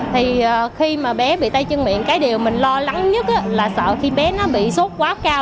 thì khi mà bé bị tay chân miệng cái điều mình lo lắng nhất là sợ khi bé nó bị sốt quá cao